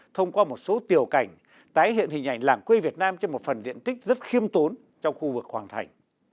thông qua một số tiểu cảnh tái hiện hình ảnh làng quê việt nam trên một phần diện tích rất khiêm tốn trong khu vực hoàng thành